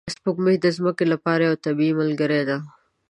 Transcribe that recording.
سپوږمۍ د ځمکې لپاره یوه طبیعي ملګرې ده